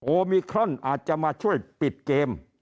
มิครอนอาจจะมาช่วยปิดเกม